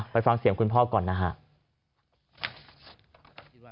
ไปฟังเสียงของคุณพ่อก่อนนะฮะ